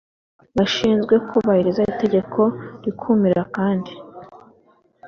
bashinzwe kubahiriza itegeko rikumira kandi